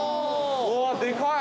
うわっ、でかい。